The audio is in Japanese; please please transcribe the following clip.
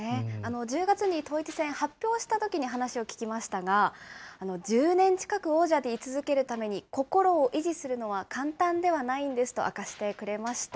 １０月に統一戦、発表したときに話を聞きましたが、１０年近く王者でい続けるために、心を維持するのは簡単ではないんですと明かしてくれました。